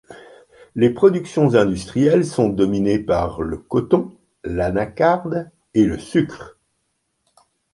Les productions industrielles sont dominées par le coton, l'anacarde et le sucre.